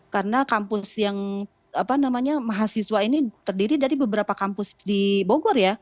karena kampus yang apa namanya mahasiswa ini terdiri dari beberapa kampus di bogor ya